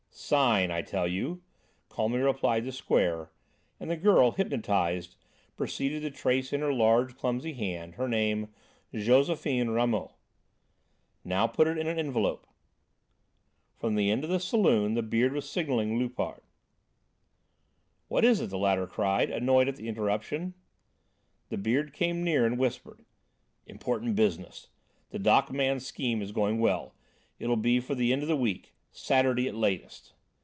"Sign, I tell you," calmly replied the Square, and the girl, hypnotised, proceeded to trace in her large clumsy hand, her name, "Josephine Ramot." "Now put it in an envelope." From the end of the saloon the Beard was signalling Loupart. "What is it?" the latter cried, annoyed at the interruption. The Beard came near and whispered: "Important business. The dock man's scheme is going well it'll be for the end of the week, Saturday at latest."